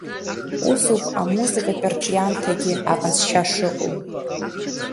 Ус ауп амузыкатә рҿиамҭагьы аҟазшьа шыҟоу.